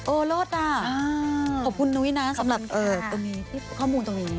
โอ้โหโลธอ่ะอ่าขอบคุณนุ้ยนะสำหรับข้อมูลตรงนี้